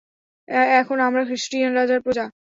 এখন আমরা খ্রীষ্টিয়ান রাজার প্রজা।